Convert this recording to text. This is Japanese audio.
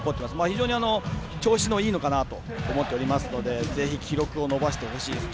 非常に調子がいいのかなと思っておりますのでぜひ、記録を伸ばしてほしいです。